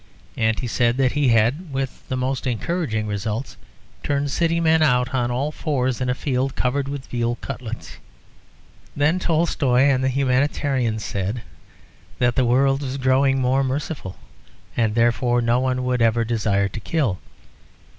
And he said that he had, with the most encouraging results, turned city men out on all fours in a field covered with veal cutlets. Then Tolstoy and the Humanitarians said that the world was growing more merciful, and therefore no one would ever desire to kill.